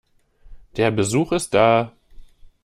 Der Besuch ist da.